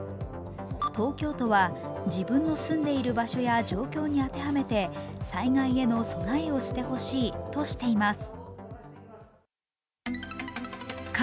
東京都は自分の住んでいる場所や状況に当てはめて災害への備えをしてほしいとしています。